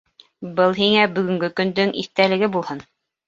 Был һиңә бөгөнгө көндөң иҫтәлеге булһын.